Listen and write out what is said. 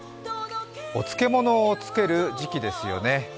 お漬物を漬ける時期ですよね。